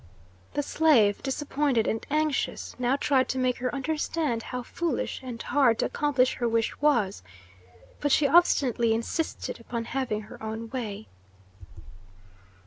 The slave, disappointed and anxious, now tried to make her understand how foolish and hard to accomplish her wish was, but she obstinately insisted upon having her own way.